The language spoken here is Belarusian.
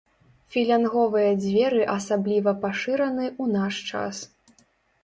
Філянговыя дзверы асабліва пашыраны ў наш час.